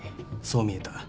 そう見えた。